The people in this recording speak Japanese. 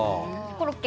コロッケ！